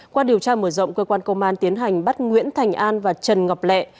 qua điều tra mở rộng cơ quan công an tiến hành bắt nguyễn thành an và trần ngọc lẹ